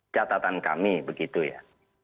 catatan kami begitu ya